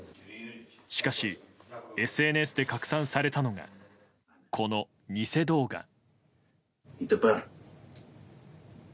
しかしＳＮＳで拡散されたのがこの偽動画。